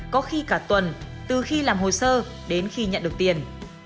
có khi cả tuần từ khi làm hồ sơ đến khi nhận được tiền